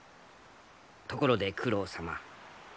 ところで九郎様。